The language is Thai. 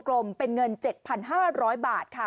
ลมเป็นเงิน๗๕๐๐บาทค่ะ